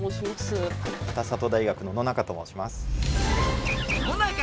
北里大学の野中と申します。